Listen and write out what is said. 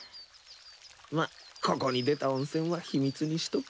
まっここに出た温泉は秘密にしとくか。